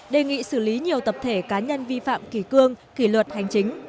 đề nghị xử lý nhiều tập thể cá nhân vi phạm kỷ cương kỷ luật hành chính